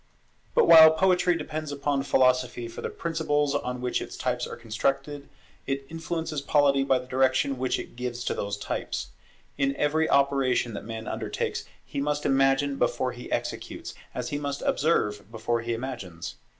But while Poetry depends upon Philosophy for the principles on which its types are constructed, it influences Polity by the direction which it gives to those types. In every operation that man undertakes, he must imagine before he executes, as he must observe before he imagines.